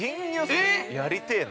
◆やりてえな。